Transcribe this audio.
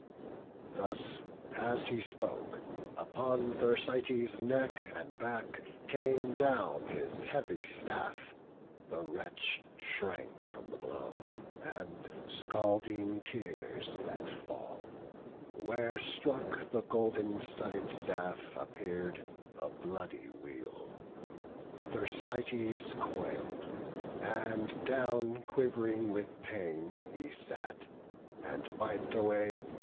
Thus as he spoke, upon Thersites' neck And back came down his heavy staff; the wretch Shrank from the blow, and scalding tears let fall. Where struck the golden studded staff, appear'd A bloody weal: Thersites quail'd, and down, Quiv'ring with pain, he sat, and wip'd away.